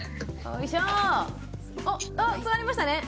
おっ座れましたね。